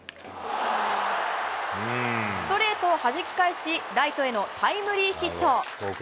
ストレートをはじき返し、ライトへのタイムリーヒット。